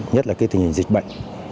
nhất là cái tình hình dịch bệnh